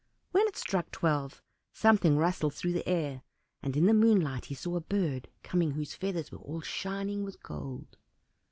When it struck twelve, something rustled through the air, and in the moonlight he saw a bird coming whose feathers were all shining with gold.